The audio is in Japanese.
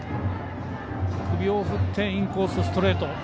首を振ってインコース、ストレート。